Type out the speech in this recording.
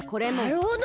なるほど。